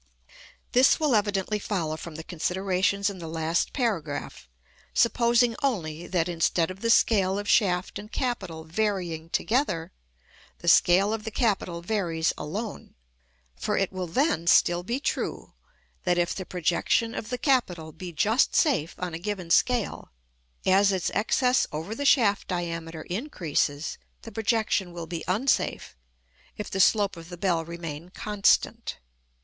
_ This will evidently follow from the considerations in the last paragraph; supposing only that, instead of the scale of shaft and capital varying together, the scale of the capital varies alone. For it will then still be true, that, if the projection of the capital be just safe on a given scale, as its excess over the shaft diameter increases, the projection will be unsafe, if the slope of the bell remain constant.